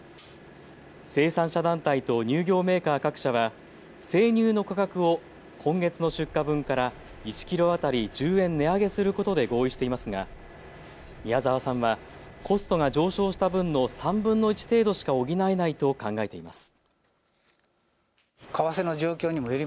生産者団体と乳業メーカー各社は生乳の価格を今月の出荷分から１キロ当たり１０円値上げすることで合意していますが宮澤さんはコストが上昇した分の３分の１程度しか補えないと考えています。